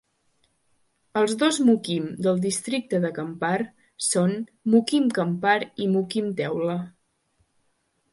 Els dos mukim del districte de Kampar són Mukim Kampar i Mukim Teula.